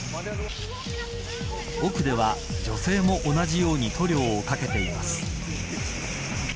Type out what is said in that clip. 奥では、女性も同じように塗料をかけています。